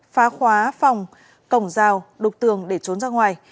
phá khóa phòng cổng rào đục tường để trốn ra ngoài